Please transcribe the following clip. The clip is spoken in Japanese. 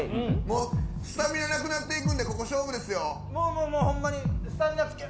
スタミナなくなってくるんでここ勝負ですよ。